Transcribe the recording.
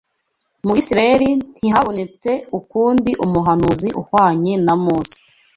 Mu Bisirayeli ntihabonetse ukundi umuhanuzi uhwanye na Mose